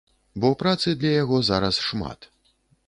Бо працы для яго зараз шмат.